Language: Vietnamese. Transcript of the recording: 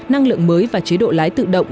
năng lượng mới và chế độ lái tự động